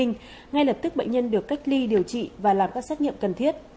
ngay lập tức bệnh nhân được cách ly điều trị và làm các xét nghiệm cần thiết